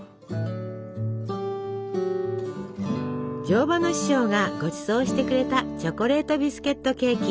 乗馬の師匠がごちそうしてくれたチョコレートビスケットケーキ。